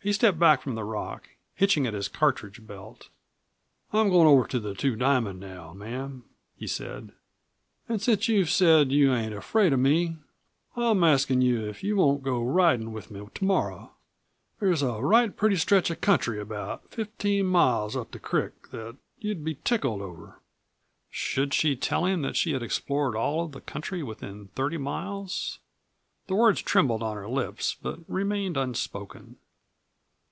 He stepped back from the rock, hitching at his cartridge belt. "I'm goin' over to the Two Diamond now, ma'am," he said. "And since you've said you ain't afraid of me, I'm askin' you if you won't go ridin' with me tomorrow. There's a right pretty stretch of country about fifteen miles up the crick that you'd be tickled over." Should she tell him that she had explored all of the country within thirty miles? The words trembled on her lips but remained unspoken.